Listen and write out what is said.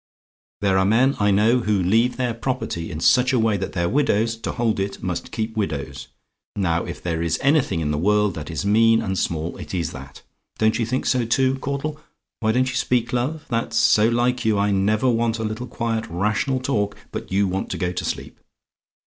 "There are men, I know, who leave their property in such a way that their widows, to hold it, must keep widows. Now, if there is anything in the world that is mean and small, it is that. Don't you think so, too, Caudle? Why don't you speak, love? That's so like you! I never want a little quiet, rational talk, but you want to go to sleep.